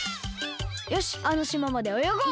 よしあのしままでおよごう！